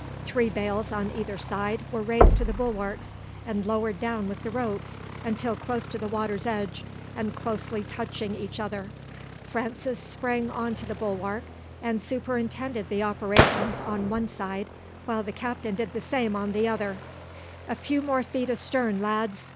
Three bales on either side were raised to the bulwarks, and lowered down with the ropes until close to the water's edge and closely touching each other. Francis sprang on to the bulwark and superintended the operations on one side, while the captain did the same on the other. "A few feet more astern, lads.